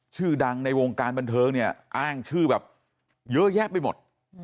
ชื่อดังในวงการบันเทิงเนี่ยอ้างชื่อแบบเยอะแยะไปหมด